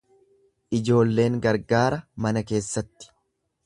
Ijoolleen gargaara mana keessatti.